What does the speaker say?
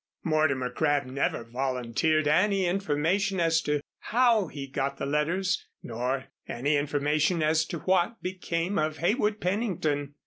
Mortimer Crabb never volunteered any information as to how he got the letters, nor any information as to what became of Heywood Pennington.